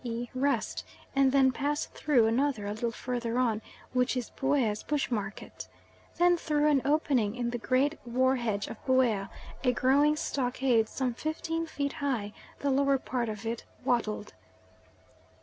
e. rest, and then pass through another a little further on, which is Buea's bush market. Then through an opening in the great war hedge of Buea, a growing stockade some fifteen feet high, the lower part of it wattled.